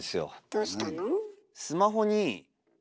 どうしたの？